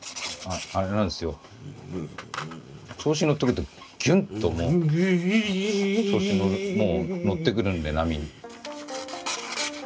あれなんですよ調子に乗ってくるとギュンッともう調子に乗るもう乗ってくるんで波に。